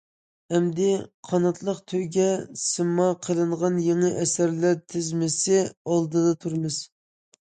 ئەمدى« قاناتلىق تۆگە» سىيما قىلىنغان يېڭى ئەسىرلەر تىزمىسى ئالدىدا تۇرىمىز.